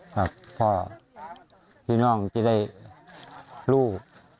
ครับพ่อพี่น้องจะได้ลูก